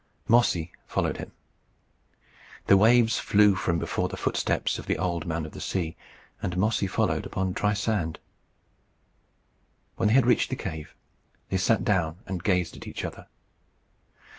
Mossy followed him. The waves flew from before the footsteps of the Old Man of the Sea, and Mossy followed upon dry sand. When they had reached the cave, they sat down and gazed at each other.